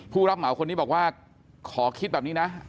ผู้รับเหมาคนนี้บอกว่าขอคิดแบบนี้นะ